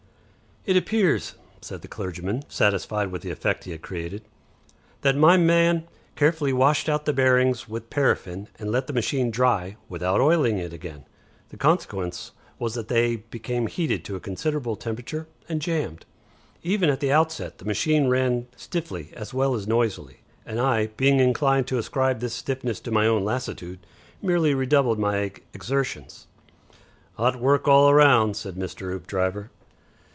"It appears," said the clergyman, satisfied with the effect he had created, "that my man carefully washed out the bearings with paraffin, and let the machine dry without oiling it again. The consequence was that they became heated to a considerable temperature and jammed. Even at the outset the machine ran stiffly as well as noisily, and I, being inclined to ascribe this stiffness to my own lassitude, merely redoubled my exertions." "'Ot work all round," said Mr. Hoopdriver.